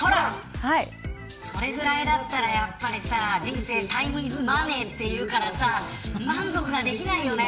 それぐらいだったら人生、タイムイズマネーというからさ満足できないよね。